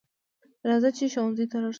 راځه چې ښوونځي ته لاړ شو